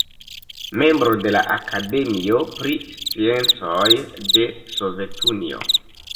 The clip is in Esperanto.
Membro de la Akademio pri Sciencoj de Sovetunio.